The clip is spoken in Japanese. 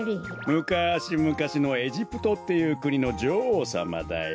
むかしむかしのエジプトっていうくにのじょおうさまだよ。